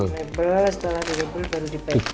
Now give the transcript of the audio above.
setelah label baru di packing